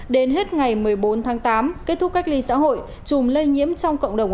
đến hết ngày một mươi bốn tháng tám kết thúc cách ly xã hội chùm lây nhiễm trong cộng đồng